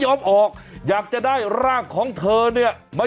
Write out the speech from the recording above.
อยู่ตรงไหนของพี่วัด